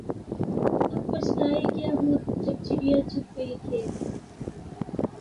اب بچھتائے کیا ہوت جب چڑیا چگ گئی کھیت